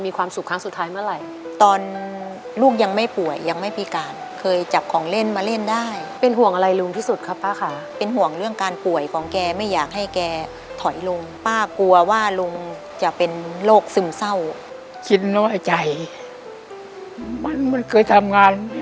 มันมันเคยทำงานไหมไม่ได้ทำงาน